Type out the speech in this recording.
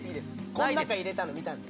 こん中入れたの見たんで。